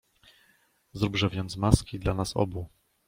"Zróbże więc maski dla nas obu."